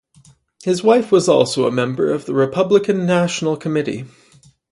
His wife was also a member of Republican National Committee.